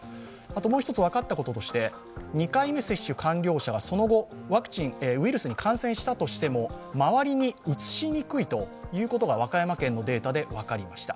もう一つ分かったこととして２回目接種完了者がその後ウイルスに感染したとしても周りにうつしにくいということが和歌山県のデータで分かりました。